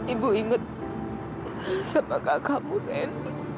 ibu ingat sama kakakmu nen